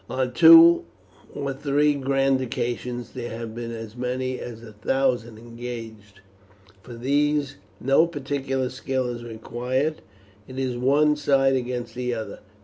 On two or three grand occasions there have been as many as a thousand engaged. For these no particular skill is required; it is one side against the other.